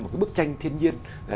một cái bức tranh thiên nhiên